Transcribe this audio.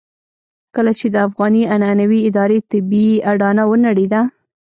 کله چې د افغاني عنعنوي ادارې طبيعي اډانه ونړېده.